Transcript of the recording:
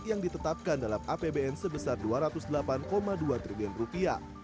yang ditetapkan dalam apbn sebesar dua ratus delapan dua triliun rupiah